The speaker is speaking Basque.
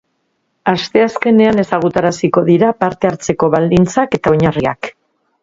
Asteazkenean ezagutaraziko dira parte hartzeko baldintzak eta oinarriak.